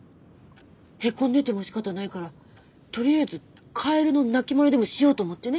へこんでてもしかたないからとりあえずカエルの鳴きまねでもしようと思ってね。